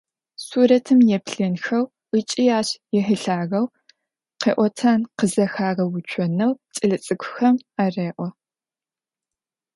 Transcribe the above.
Сурэтым еплъынхэу ыкӏи ащ ехьылӏагъэу къэӏотэн къызэхагъэуцонэу кӏэлэцӏыкӏухэм ареӏо.